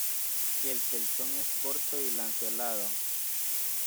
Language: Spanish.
El telson es corto y lanceolado.